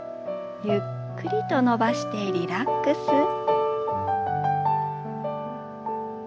ゆっくりと伸ばしてリラックス。